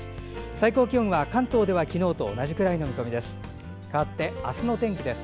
最高気温は関東では昨日と同じくらいの見込みです。